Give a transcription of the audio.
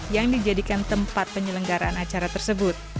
yang dijadikan tempat penyelenggaraan acara tersebut